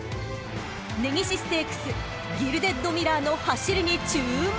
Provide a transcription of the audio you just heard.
［根岸ステークスギルデッドミラーの走りに注目！］